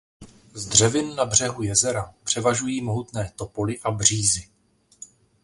Z dřevin na břehu jezera převažují mohutné topoly a břízy.